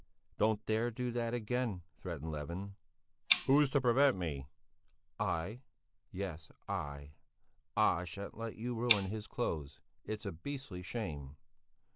"Don't dare to do that again!" threatened Levin. "Who's to prevent me?" "I! Yes, I! I shan't let you ruin his clothes. It's a beastly shame!"